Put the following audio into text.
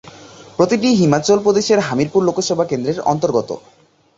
প্রতিটিই হিমাচল প্রদেশের হামিরপুর লোকসভা কেন্দ্রের অন্তর্গত।